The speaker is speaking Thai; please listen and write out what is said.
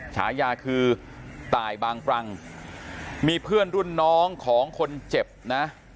ฉายาคือตายบางปรังมีเพื่อนรุ่นน้องของคนเจ็บนะ